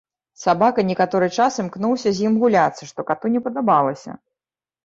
Сабака некаторы час імкнуўся з ім гуляцца, што кату не падабалася.